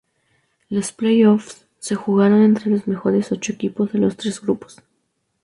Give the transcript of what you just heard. Los playoffs se jugaron entre los mejores ocho equipos de los tres grupos.